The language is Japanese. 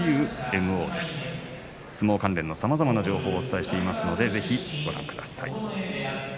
相撲関連のさまざまな情報をお伝えしていますのでぜひご覧ください。